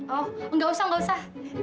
oh enggak usah enggak usah